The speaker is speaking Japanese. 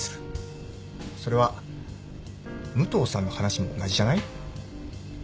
それは武藤さんの話も同じじゃない？